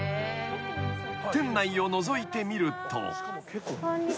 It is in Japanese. ［店内をのぞいてみると］